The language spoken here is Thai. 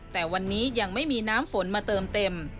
แต่วันนี้ยังไม่มีน้ำฝนมาเติมเต็ม